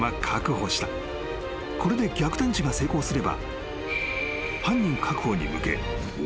［これで逆探知が成功すれば］